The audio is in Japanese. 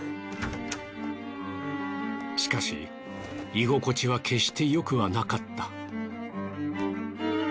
しかし居心地は決してよくはなかった。